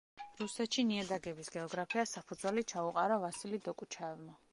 რუსეთში ნიადაგების გეოგრაფიას საფუძველი ჩაუყარა ვასილი დოკუჩაევმა.